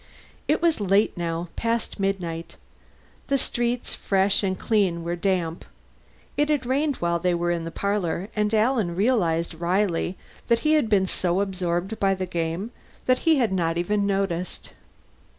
It was late now, past midnight. The streets, fresh and clean, were damp. It had rained while they were in the parlor, and Alan realized wryly he had been so absorbed by the game that he had not even noticed.